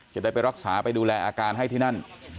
จะได้ไปรักษาไปดูแลอาการให้ที่นั่น